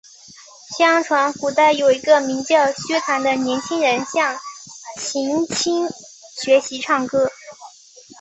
相传古代有一个名叫薛谭的年轻人向秦青学习唱歌。